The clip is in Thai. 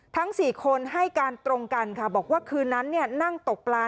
ทั้ง๔คนให้การตรงกันค่ะบอกว่าคืนนั้นนั่งตกปลา